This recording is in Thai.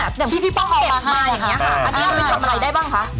อยากไปทำอะไรได้บ้างคะ